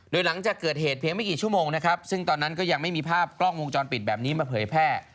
โดยหลังจากเกิดเหตุเพียงไม่กี่ชั่วโมงนะครับซึ่งตอนนั้นก็ยังไม่มีภาพกล้องวงจรปิดแบบนี้มาเผยแพร่